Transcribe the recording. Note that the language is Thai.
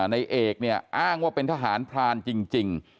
ในเอกเนี่ยอ้างว่าเป็นทหารพรานจริง